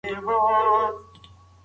و مي ځغلوی .